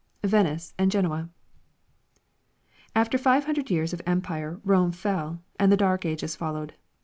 Venice and Genoa. After five hundred years of empire Rome fell, and the dark ages followed.